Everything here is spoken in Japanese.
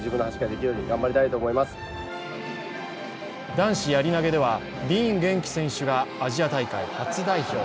男子やり投げではディーン元気選手がアジア大会初代表。